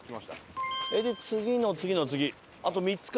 で次の次の次あと３つか。